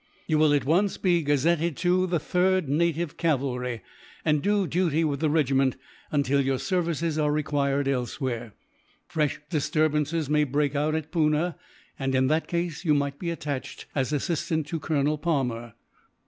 "You will at once be gazetted to the 3rd Native Cavalry, and do duty with the regiment, until your services are required elsewhere. Fresh disturbances may break out at Poona and, in that case, you might be attached as assistant to Colonel Palmer.